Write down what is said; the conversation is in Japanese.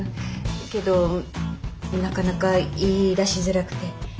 けどなかなか言いだしづらくて。